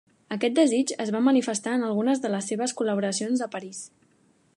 Aquest desig es va manifestar en algunes de les seves col·laboracions a París.